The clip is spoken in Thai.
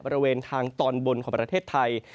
บริเวณทางตอนบนของประเทศไทย